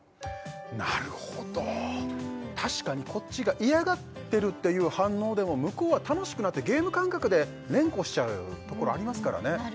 なるほど確かにこっちが嫌がってるっていう反応でも向こうは楽しくなってゲーム感覚で連呼しちゃうところありますからね